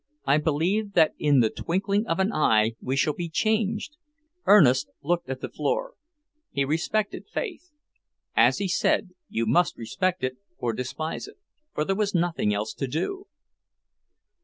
I believe that in the twinkling of an eye we shall be changed!" Ernest looked at the floor. He respected faith. As he said, you must respect it or despise it, for there was nothing else to do.